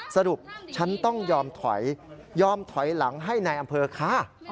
สรุปฉันต้องยอมถอยยอมถอยหลังให้นายอำเภอค่ะ